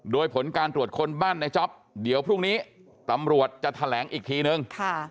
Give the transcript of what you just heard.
โดยผลการตรวจคนบ้านในจ๊อปเดี๋ยวพรุ่งนี้ตำรวจจะแถลงอีกทีนึง